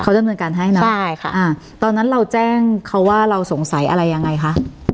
ดำเนินการให้นะใช่ค่ะอ่าตอนนั้นเราแจ้งเขาว่าเราสงสัยอะไรยังไงคะ